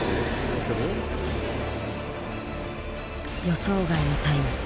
予想外のタイム。